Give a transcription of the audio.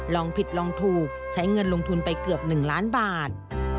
ลองผิดลองถูกใช้เงินลงทุนไปเกือบ๑ล้านบาท